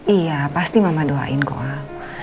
iya pasti mama doain kok